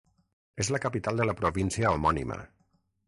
És la capital de la província homònima.